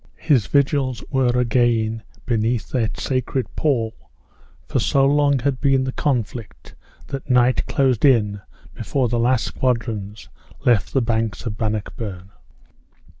His vigils were again beneath that sacred pall for so long had been the conflict, that night closed in before the last squadrons left the banks of Bannockburn.